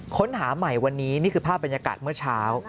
ค้นหาใหม่วันนี้นี่คือภาพบรรยากาศเมื่อเช้า